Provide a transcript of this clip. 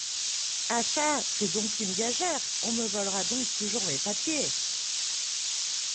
Ah çà ! c’est donc une gageure ? on me volera donc toujours mes papiers !